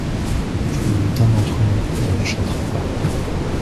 Plus d'un d'entre nous ne chantera pas.